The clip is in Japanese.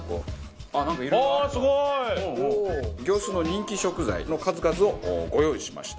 ああーすごい！業スーの人気食材の数々をご用意しました。